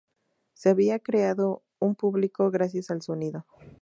Se había creado un público gracias al sonido.